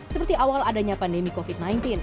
seperti awal adanya pandemi covid sembilan belas